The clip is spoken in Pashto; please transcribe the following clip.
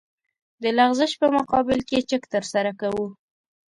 د لغزش په مقابل کې چک ترسره کوو